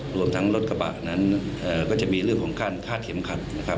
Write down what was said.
รวมทั้งรถกระบะนั้นก็จะมีเรื่องของการคาดเข็มขัดนะครับ